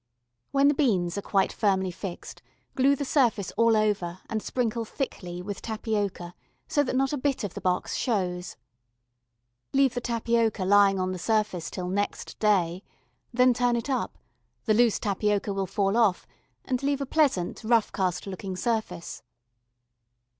When the beans are quite firmly fixed, glue the surface all over and sprinkle thickly with tapioca so that not a bit of the box shows. Leave the tapioca lying on the surface till next day, then turn it up; the loose tapioca will fall off and leave a pleasant rough cast looking surface.